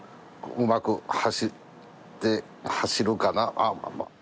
うまく走るかな？